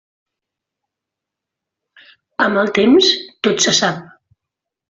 Amb el temps, tot se sap.